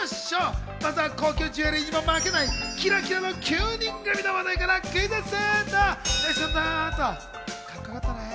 まずは高級ジュエリーにも負けないキラキラの９人組の話題からクイズッス！